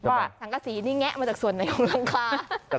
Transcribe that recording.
ว่าถังกะสีนี่แงะมาจากส่วนไหนของรองคาร